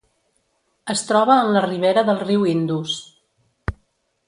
Es troba en la ribera del riu Indus.